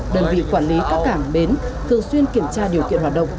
đơn vị quản lý các cảng bến thường xuyên kiểm tra điều kiện hoạt động